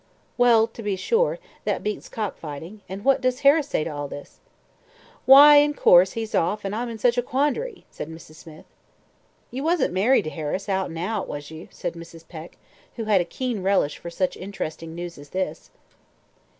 "Well, to be sure, that beats cock fighting; and what does Harris say to all this?" "Why, in course, he's off, and I'm in such a quandary," said Mrs. Smith. "You wasn't married to Harris, out and out, was you?" said Mrs. Peck, who had a keen relish for such interesting news as this.